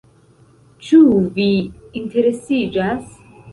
Ĉu vi interesiĝas?